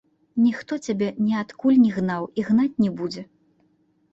Ніхто цябе ніадкуль не гнаў і гнаць не будзе.